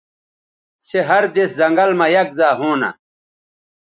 سے ہر دِس زنگل مہ یک زائے ہونہ